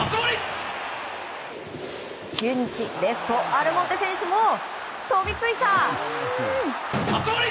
中日レフト、アルモンテ選手も飛びついた！